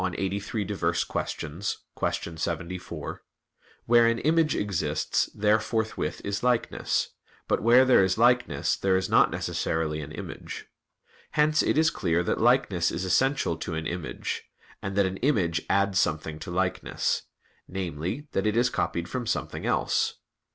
83, qu. 74): "Where an image exists, there forthwith is likeness; but where there is likeness, there is not necessarily an image." Hence it is clear that likeness is essential to an image; and that an image adds something to likeness namely, that it is copied from something else.